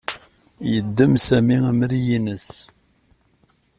Yeddem Sami amrig-nnes.